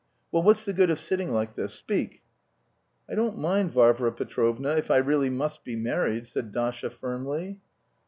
Well, what's the good of sitting like this. Speak!" "I don't mind, Varvara Petrovna, if I really must be married," said Dasha firmly.